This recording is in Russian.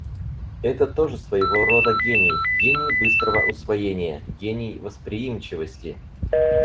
Это тоже своего рода гений, гений быстрого усвоения, гений восприимчивости.